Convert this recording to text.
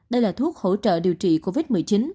đây là thuốc hỗ trợ điều trị covid một mươi chín